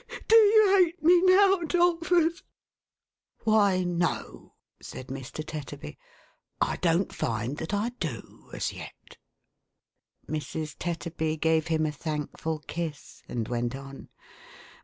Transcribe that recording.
Do you hate me now, 'Dolphus ?"" Why no,'1 said Mr. Tetterby, " I don't find that I do, as yet."" Mrs. Tetterby gave him a thankful kiss, and went on.